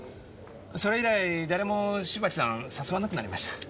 それ以来誰も芝木さん誘わなくなりました。